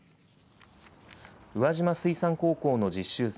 宇和島水産高校の実習船